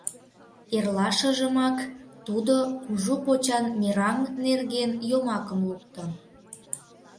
Эрлашыжымак тудо кужу почан мераҥ нерген йомакым лукто.